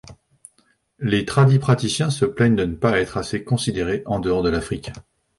Les tradipraticiens se plaignent de ne pas être assez considérés en dehors de l'Afrique.